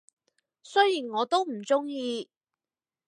雖然我都唔鍾意